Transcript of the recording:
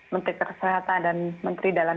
menteri kesehatan dan menteri dalam